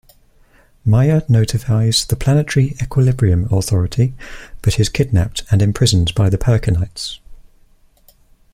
Maia notifies the "Planetary Equilibrium Authority", but is kidnapped and imprisoned by the Perkinites.